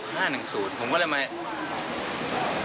เป็นไอภาค๕๑๐